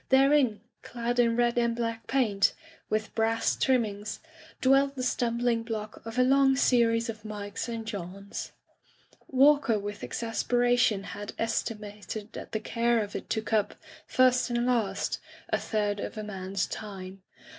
Therein, clad in red and black paint, with brass trimmings, dwelt the stumbling block of a long series of Mikes and Johns. Walker with exasperation had es timated that the care of it took up, first and last, a third of a man's time.